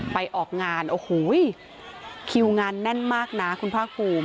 ไปออกงานโอ้โหคิวงานแน่นมากนะคุณภาคภูมิ